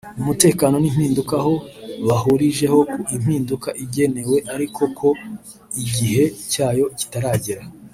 umutekano n’impinduka aho bahurijeho ko impinduka ikenewe ariko ko igihe cyayo kitaragera